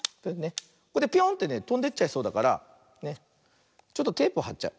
ピョーンってねとんでっちゃいそうだからちょっとテープをはっちゃう。